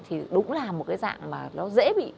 thì đúng là một cái dạng mà nó dễ bị